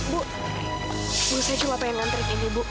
bu saya cuma pengen nganterin ini bu